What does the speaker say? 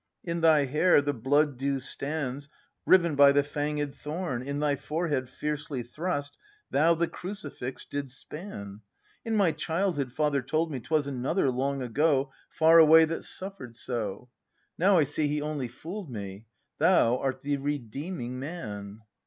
In thy hair the blood dew stands, Riven by the fanged thorn In thy forehead fiercely thrust. Thou the crucifix didst span! In my childhood Father told me 'Twas another, long ago, ACT V] BRAND 301 Far away, that suffer'd so; — Now I see he only fool'd me; — Thou art the Redeeming man!